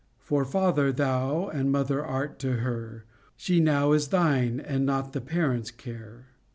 For father thou and mother art to her; She now is thine, and not the parent's care.